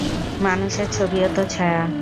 মানুষের ছবিও তো ছায়া!